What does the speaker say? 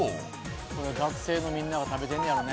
これ学生のみんなが食べてんねやろね。